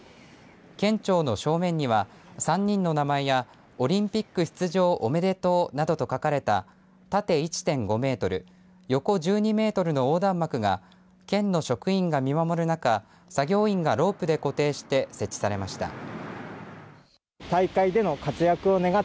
県庁の正面には３人の名前やオリンピック出場おめでとうなどと書かれた縦１．５メートル横１２メートルの横断幕が県の職員が見守る中作業員がロープで固定して設置されました。